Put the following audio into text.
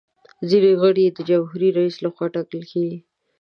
ځینې غړي یې د جمهور رئیس لخوا ټاکل کیږي.